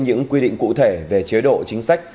những quy định cụ thể về chế độ chính sách